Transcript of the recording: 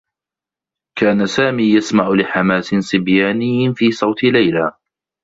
كان سامي يسمع لحماس صبياني في صوت ليلى.